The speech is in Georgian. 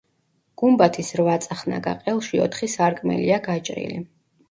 გუმბათის რვაწახნაგა ყელში ოთხი სარკმელია გაჭრილი.